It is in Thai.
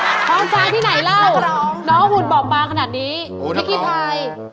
อ่าท้องช้างที่ไหนเล่าน้องหุ่นบอกมาขนาดนี้พี่กี้พาย